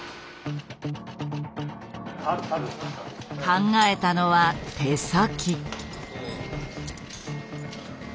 考えたのは手先。